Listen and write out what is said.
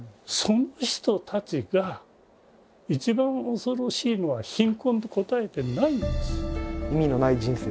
その人たちが「一番恐ろしいのは貧困」と答えてないんです。